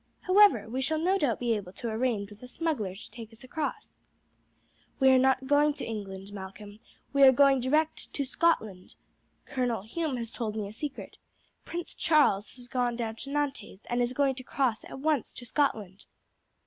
However, we shall no doubt be able to arrange with a smuggler to take us across." "We are not going to England, Malcolm; we are going direct to Scotland. Colonel Hume has told me a secret: Prince Charles has gone down to Nantes and is going to cross at once to Scotland."